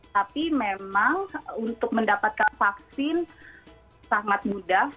tapi memang untuk mendapatkan vaksin sangat mudah